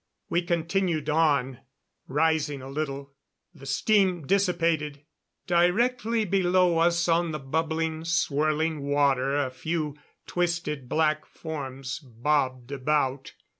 We continued on, rising a little. The steam dissipated. Directly below us on the bubbling, swirling water a few twisted black forms bobbed about.